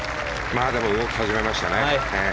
でも動き始めましたね。